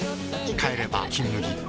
帰れば「金麦」